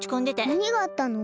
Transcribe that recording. なにがあったの？